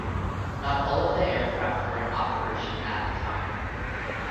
Not all of the aircraft were in operation at the time.